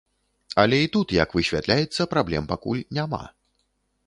Але і тут, як высвятляецца, праблем пакуль няма.